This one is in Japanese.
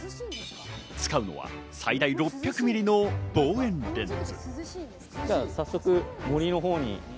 使うのは最大６００ミリの望遠レンズ。